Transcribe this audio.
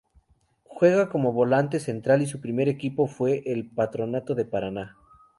Juega de como volante central y su primer equipo fue Patronato de Paraná.